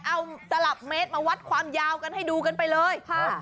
เอาสลับเมตรมาวัดความยาวกันให้ดูกันไปเลยค่ะ